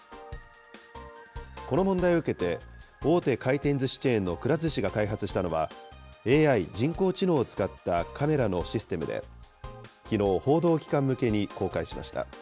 この問題を受けて、大手回転ずしチェーンのくら寿司が開発したのは、ＡＩ・人工知能を使ったカメラのシステムで、きのう報道機関向けに公開しました。